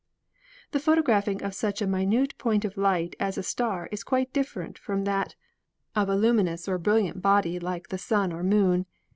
The photographing of such a minute point of light as a star is quite different from that of a luminous or brilliant CELESTIAL PHOTOGRAPHY 43 body like the Sun or Moon.